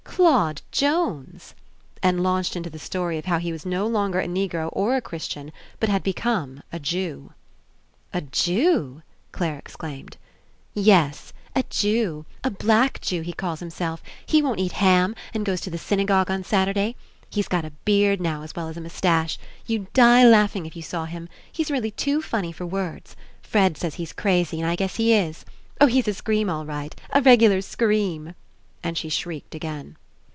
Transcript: ^'Claude Jones!" and launched into the story of how he was no longer a Negro or a Christian but had become a Jew. "A Jew!" Clare exclaimed. "Yes, a Jew. A black Jew, he calls him self. He won't eat ham and goes to the syna gogue on Saturday. He's got a beard now as well as a moustache. You'd die laughing if you saw him. He's really too funny for words. Fred says he's crazy and I guess he Is. Oh, he's a 62 ENCOUNTER scream all right, a regular scream!" And she shrieked again.